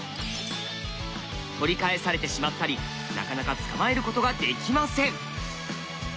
取り返されてしまったりなかなか捕まえることができません。